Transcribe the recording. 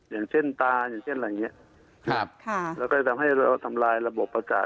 อย่างเช่นตาอย่างเช่นอะไรอย่างนี้แล้วก็จะทำให้เราทำลายระบบประกาศ